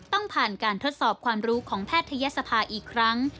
ต้องผ่านการทดสอบความรู้ของแพทยศภาอีกครั้ง